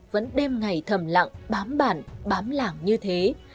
vẫn đêm ngày thầm mạng bãos bàn bám lảng như thế